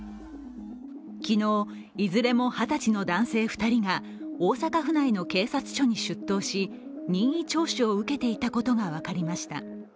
昨日いずれも二十歳の男性２人が大阪府内の警察署に出頭し任意聴取を受けていたことが分かりました。